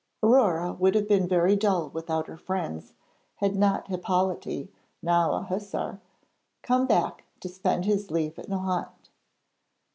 Aurore would have been very dull without her friends had not Hippolyte, now a hussar, come back to spend his leave at Nohant.